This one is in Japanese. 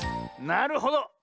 なるほど。